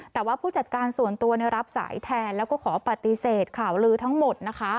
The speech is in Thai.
แต่ว่าผู้จัดการส่วนตัวรับสายแทนแล้วก็ขอปฏิเสธข่าวลือทั้งหมดนะคะ